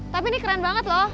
tapi ini keren banget loh